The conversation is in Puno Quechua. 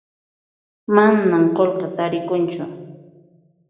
Manan qullqi tarikunchu